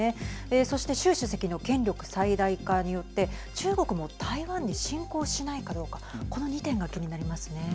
そして習主席の権力最大化によって中国も台湾に侵攻しないかどうかこの２点が気になりますね。